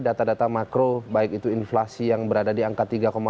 data data makro baik itu inflasi yang berada di angka tiga empat